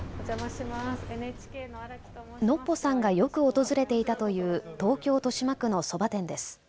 ノッポさんがよく訪れていたという東京豊島区のそば店です。